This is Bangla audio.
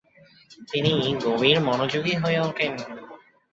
তিনি গভীর মনোযোগী হয়ে ওঠেন।